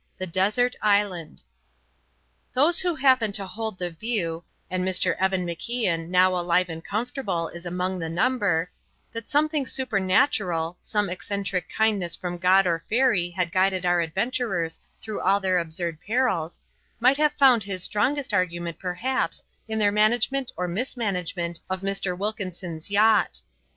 THE DESERT ISLAND Those who happen to hold the view (and Mr. Evan MacIan, now alive and comfortable, is among the number) that something supernatural, some eccentric kindness from god or fairy had guided our adventurers through all their absurd perils, might have found his strongest argument perhaps in their management or mismanagement of Mr. Wilkinson's yacht.